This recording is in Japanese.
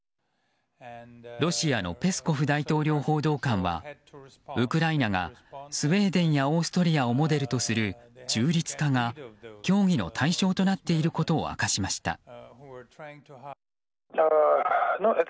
ロシアのペスコフ大統領報道官はウクライナがスウェーデンやオーストリアをモデルとする中立化が、協議の対象となっていることを明かしました。